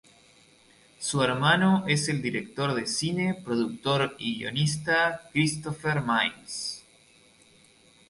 Su hermano es el director de cine, productor y guionista Christopher Miles.